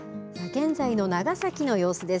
現在の長崎の様子です。